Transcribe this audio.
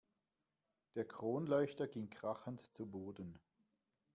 Der Kronleuchter ging krachend zu Boden.